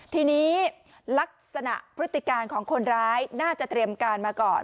ทีนี้ลักษณะพฤติการของคนร้ายน่าจะเตรียมการมาก่อน